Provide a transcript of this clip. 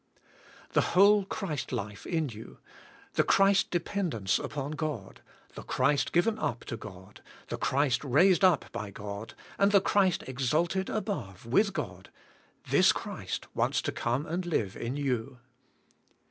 The whole Christ life in you, the Christ dependence upon God, the Christ given up to God, the Christ raised up by God, and the Christ exalted above, with God, this Christ wants to come and live in you.